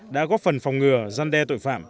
đã góp phần phòng ngừa gian đe tội phạm